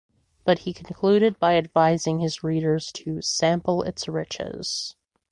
But he concluded by advising his readers to "sample its riches".